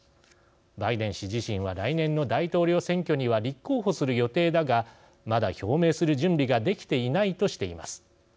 バイデン氏自身は来年の大統領選挙には立候補する予定だがまだ表明する準備ができていないとしています。